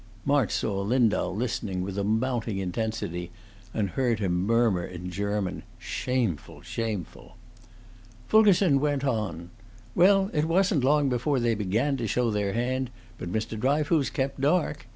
March saw Lindau listening with a mounting intensity, and heard him murmur in German, "Shameful! shameful!" Fulkerson went on: "Well, it wasn't long before they began to show their hand, but Mr. Dryfoos kept dark.